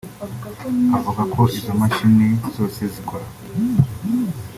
Avuga ko izo mashini zose zikora